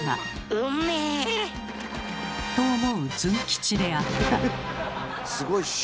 うんめぇ！と思うズン吉であった。